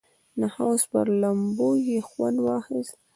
د حوض پر لامبو یې خوند واخیست.